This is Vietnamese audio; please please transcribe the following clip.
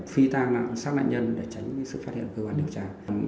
phi tang sát nạn nhân để tránh sự phát hiện cơ quan điều tra